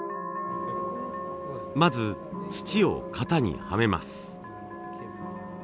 まず土を型にはめます。